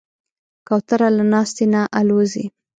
کوتره له ناستې نه الوزي.